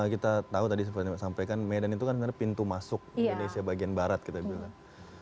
kita tahu tadi seperti yang disampaikan medan itu kan sebenarnya pintu masuk indonesia bagian barat kita bilang